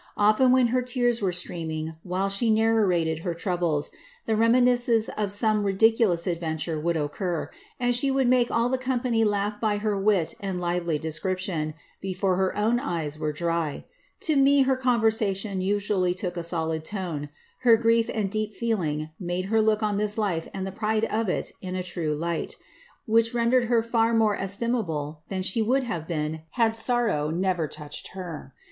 Often, when her tears were streaming, while she narrated her troubles, the reminiscence of some ridiculous adventure would occur, and she would make all the company laugh by her wit and lively description, before her own eyes were dry. To me her conversation usually took a solid tone; her grief and deep feeling made her look on this life and the pride of it in a true light, which rendered her far more estimable than she would have been had sorrow never touched her.